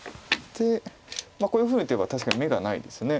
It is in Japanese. こういうふうに打てば確かに眼がないです。